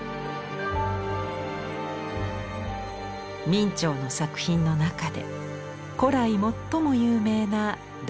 明兆の作品の中で古来最も有名な「大涅槃図」。